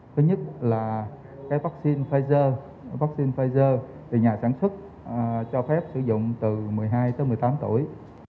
thứ nhất là vaccine pfizer vaccine pfizer từ nhà sản xuất cho phép sử dụng từ một mươi hai tới một mươi tám tuổi